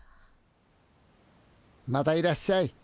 またいらっしゃい。